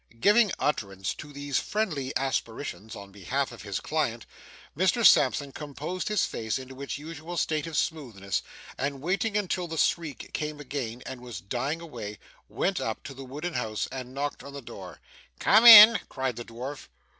Giving utterance to these friendly aspirations in behalf of his client, Mr Sampson composed his face into its usual state of smoothness, and waiting until the shriek came again and was dying away, went up to the wooden house, and knocked at the door. 'Come in!' cried the dwarf.